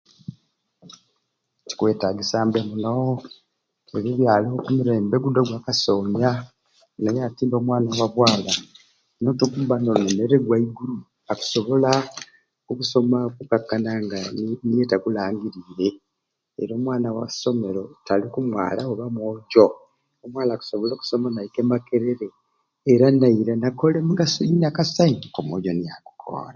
Kikwetagisya mbe muno budi byali ku mulembe gudi ogwa kasonya Naye ati mbe omwana wa bwaala notokubba nga onenere gwaigulu akusobola okusoma okukakanya nga niye te akulangiriire era omwana wa somero taliku mwaala oba mwojo omwala akusobola okusoma naika e makerere era naira nakola emigaso eginakasai omwojo giakukoore.